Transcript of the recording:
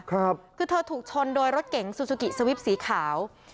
คือเธอถูกชนโดยรถเก๋งซูซูกิสวิปสีขาว